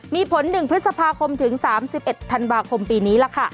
มีผล๑พฤษภาคมถึง๓๑ธันวาคมปีนี้ล่ะค่ะ